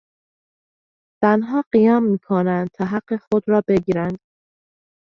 زنها قیام میکنند تا حق خود را بگیرند.